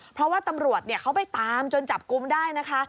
เพราะว่าตำรวจเขาไปตามจนจับกุมได้นะคะ